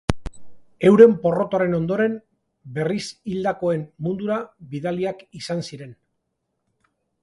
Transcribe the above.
Euren porrotaren ondoren berriz hildakoen mundura bidaliak izan ziren.